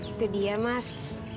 itu dia mas